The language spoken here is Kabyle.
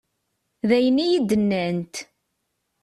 D ayen i yi-d-nnant.